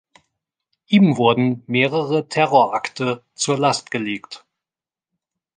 Ihm wurden mehrere Terrorakte zur Last gelegt.